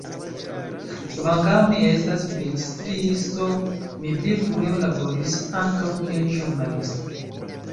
Kvankam mi estas bildstriisto, mi pli frue laboris ankaŭ kiel ĵurnalisto.